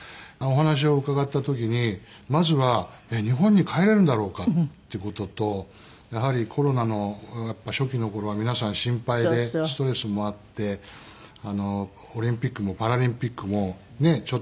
お話を伺った時にまずは日本に帰れるんだろうかっていう事とやはりコロナの初期の頃は皆さん心配でストレスもあってオリンピックもパラリンピックもねえ